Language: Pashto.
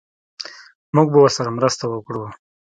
موږ به ورسره مرسته وکړو